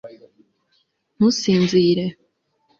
ntusinzire